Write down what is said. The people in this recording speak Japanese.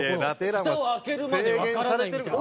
ふたを開けるまでわからないみたいな。